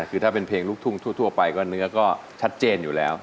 คือถ้าเป็นเพลงลูกทุ่งทั่วไปก็เนื้อก็ชัดเจนอยู่แล้ว